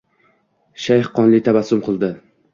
Shayx qonli tabassum qildi